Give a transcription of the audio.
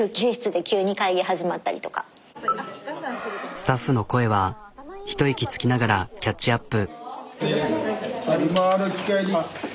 スタッフの声は一息つきながらキャッチアップ。